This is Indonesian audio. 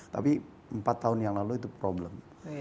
tapi empat tahun yang lalu itu problem